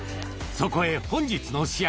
そこへ本日の主役